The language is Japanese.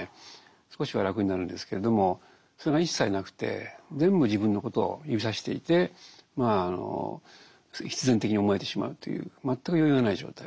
少しは楽になるんですけれどもそれが一切なくて全部自分のことを指さしていて必然的に思えてしまうという全く余裕がない状態。